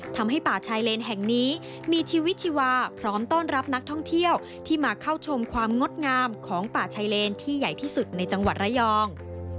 ทำให้ป่าชายเลนแห่งนี้มีชีวิตชีวาพร้อมต้อนรับนักท่องเที่ยวที่มาเข้าชมความงดงามของป่าชายเลนที่ใหญ่ที่สุดในจังหวัดระยอง